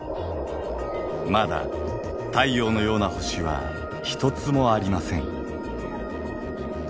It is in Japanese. まだ太陽のような星は１つもありません。